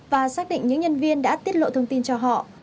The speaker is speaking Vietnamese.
và xác định những nhân viên đã tiết lộ thông tin cho họ